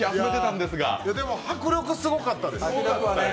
でも迫力はすごかったです。